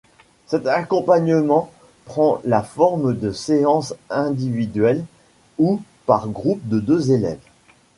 Cet accompagnement prend la forme de séances individuelles ou par groupe de deux élèves.